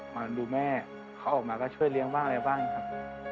มาดูแม่เขาออกมาก็ช่วยเลี้ยงบ้างอะไรบ้างครับ